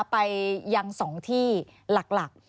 ไปยัง๒ที่หลัก